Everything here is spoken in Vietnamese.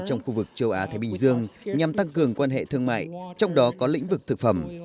trong khu vực châu á thái bình dương nhằm tăng cường quan hệ thương mại trong đó có lĩnh vực thực phẩm